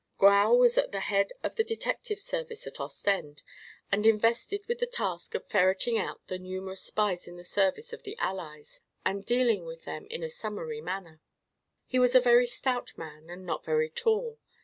Grau was at the head of the detective service at Ostend and invested with the task of ferreting out the numerous spies in the service of the Allies and dealing with them in a summary manner. He was a very stout man, and not very tall.